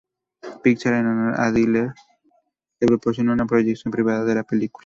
Pixar en honor a Dyer le proporciona una proyección privada de la película.